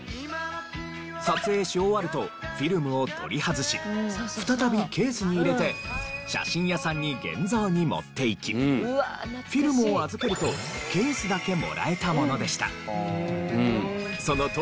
撮影し終わるとフィルムを取り外し再びケースに入れて写真屋さんに現像に持っていきフィルムを預けるとケースだけもらえたものでした。